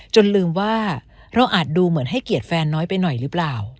ลืมว่าเราอาจดูเหมือนให้เกียรติแฟนน้อยไปหน่อยหรือเปล่า